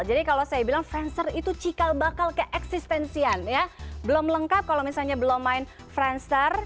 jadi kalau saya bilang friendster itu cikal bakal keeksistensian ya belum lengkap kalau misalnya belum main friendster